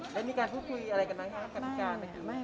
แล้วมีการพูดคุยอะไรกันไหมคะกรรมธิการ